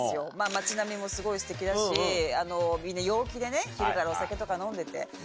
街並みもすごいすてきだし、みんな陽気でね、昼からお酒とか飲んでて。